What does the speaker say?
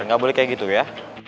nggak boleh kayak gitu ya